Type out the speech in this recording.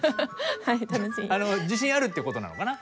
あの自信あるって事なのかな？